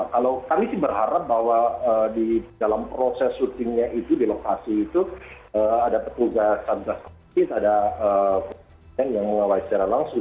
kalau kami sih berharap bahwa di dalam proses syutingnya itu di lokasi itu ada petugas satgas covid ada yang mengawasi secara langsung